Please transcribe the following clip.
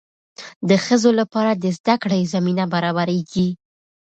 د ښځو لپاره د زده کړې زمینه برابریږي.